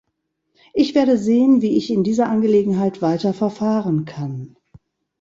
Ich werde sehen, wie ich in dieser Angelegenheit weiter verfahren kann.